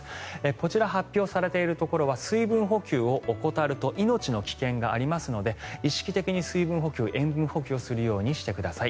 こちら、発表されているところは水分補給を怠ると命の危険がありますので意識的に水分補給、塩分補給をするようにしてください。